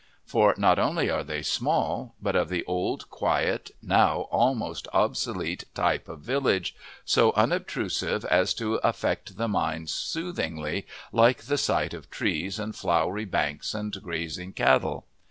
For not only are they small, but of the old, quiet, now almost obsolete type of village, so unobtrusive as to affect the mind soothingly, like the sight of trees and flowery banks and grazing cattle.